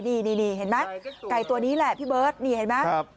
นี่เห็นไหมไก่ตัวนี้แหละพี่เบิร์ตนี่เห็นไหม